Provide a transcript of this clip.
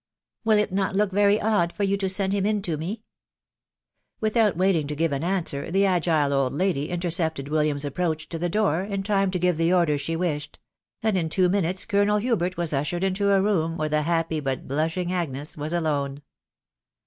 Will it not look very odd for you to send him in to me ?" Without waiting to give an answer, the agile old lady in tercepted William's approach to the door in time to give the order she wished ; and in two minutes more Colonel Hubert was ushered into a room where the happy but blushing Agnes was alone.